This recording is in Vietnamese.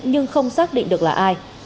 nhưng không xác định được là ai